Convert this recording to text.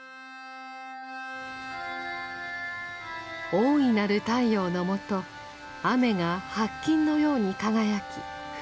大いなる太陽のもと雨が白金のように輝き降り注ぐ。